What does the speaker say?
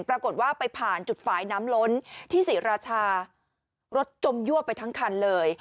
ปรากฏว่าไปผ่านจุดฝ่ายน้ำล้นที่ศรีราชารถจมยั่วไปทั้งคันเลย